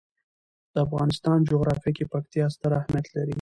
د افغانستان جغرافیه کې پکتیا ستر اهمیت لري.